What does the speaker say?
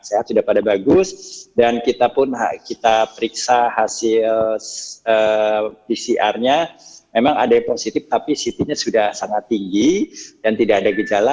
sehat sudah pada bagus dan kita pun kita periksa hasil pcr nya memang ada yang positif tapi ct nya sudah sangat tinggi dan tidak ada gejala